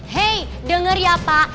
hei denger ya pak